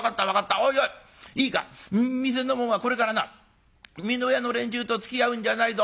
おいおいいいか店の者はこれからな美濃屋の連中とつきあうんじゃないぞ。